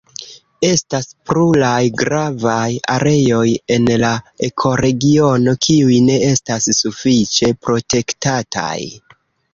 Estas pluraj gravaj areoj en la ekoregiono kiuj ne estas sufiĉe protektataj.